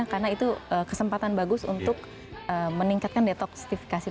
karena itu kesempatan bagus untuk meningkatkan detoksifikasi